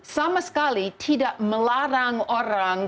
sama sekali tidak melarang orang